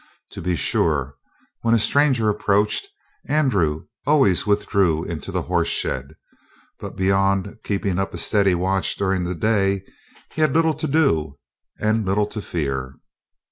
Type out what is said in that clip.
To be sure, when a stranger approached, Andrew always withdrew into the horse shed; but, beyond keeping up a steady watch during the day, he had little to do and little to fear.